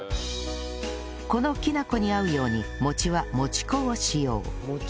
このきなこに合うように餅はもち粉を使用